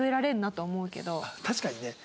確かにね。